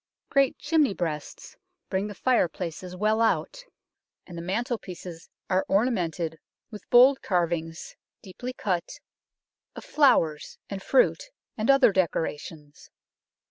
Great chimney breasts bring the fireplaces well out, and the mantelpieces are ornamented with bold carv A CITY MERCHANT'S MANSION 91 ings, deeply cut, of flowers and fruit and other decorations.